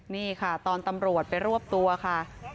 นี่ค่ะตอนตำรวจไปรวบตัวค่ะ